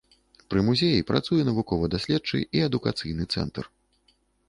Пры музеі працуе навукова-даследчы і адукацыйны цэнтр.